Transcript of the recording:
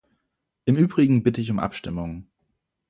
Im übrigen bitte ich um Abstimmung.